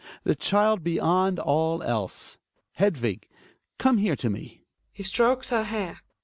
The child beyond all else. Hedvig, come here to me. (He strokes her hair.)